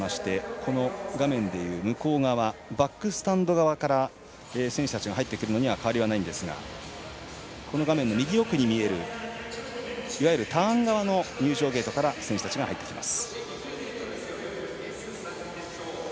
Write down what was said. この画面で言う向こう側バックスタンド側から選手たちが入ってくるのには変わりがないんですが画面の右奥に見える、ターン側の入場ゲートから選手たちが入ってきます。